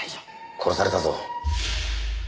殺されたぞ。